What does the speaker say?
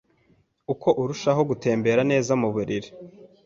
Uko arushaho gutembera neza mu mubiri,